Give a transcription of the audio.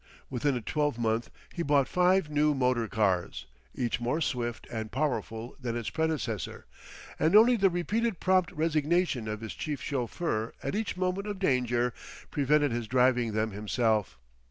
Within a twelve month he bought five new motor cars, each more swift and powerful than its predecessor, and only the repeated prompt resignation of his chief chauffeur at each moment of danger, prevented his driving them himself.